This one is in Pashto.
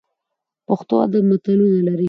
پښتو ادب متلونه لري